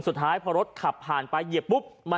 สุดท้ายพอรถขับผ่านไปเหยียบปุ๊บ